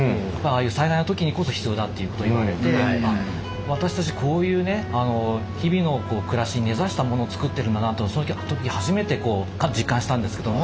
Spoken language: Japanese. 災害の時にこそ必要だって言われて私たちこういうね日々の暮らしに根ざしたものを作ってるんだなってその時初めて実感したんですけども。